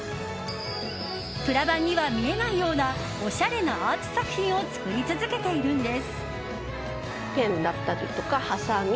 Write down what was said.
プラバンには見えないようなおしゃれなアート作品を作り続けているんです。